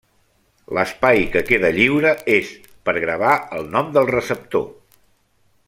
L'espai que queda lliure és per gravar el nom del receptor.